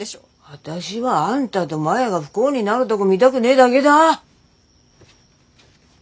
私はあんたとマヤが不幸になるどこ見だくねだけだ。